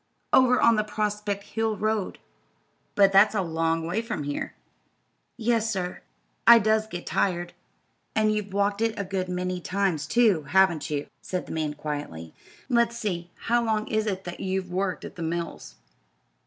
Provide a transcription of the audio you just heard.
"Over on the Prospect Hill road." "But that's a long way from here." "Yes, sir. I does get tired." "And you've walked it a good many times, too; haven't you?" said the man, quietly. "Let's see, how long is it that you've worked at the mills?"